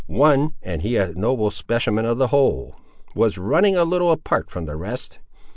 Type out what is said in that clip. One, and he a noble specimen of the whole! was running a little apart from the rest.